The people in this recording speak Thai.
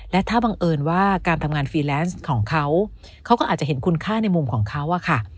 และถ้าบังเอิญว่าการทำงานฟรีแลนซ์ของเขาเขาก็อาจจะเห็นคุณค่าในมุมของเขาอะค่ะ